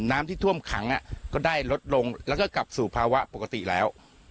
น้ำที่ท่วมขังก็ได้ลดลงแล้วก็กลับสู่ภาวะปกติแล้ว